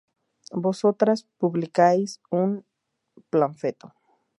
vosotras publicáis un panfleto